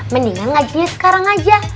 mendingan ngajinya sekarang aja